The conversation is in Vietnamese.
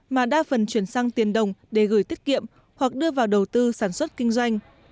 mà đa phần chuyển sang tiền đồng để gửi tiết kiệm hoặc đưa vào đầu tư sản xuất kinh doanh